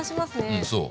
うんそう。